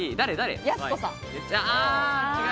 やす子さん。